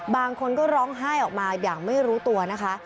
บางคนก็ร้องไห้ออกมาอย่างไม่รู้ตัวนะคะ